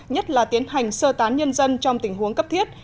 nhất là tiến hành sơ tán nhân dân trong tình huống cấp thiết